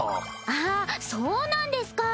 あっそうなんですか。